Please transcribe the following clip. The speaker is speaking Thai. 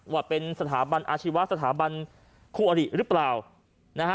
ว่าเป็นสถาบันอาชีวะสถาบันคู่อริหรือเปล่านะฮะ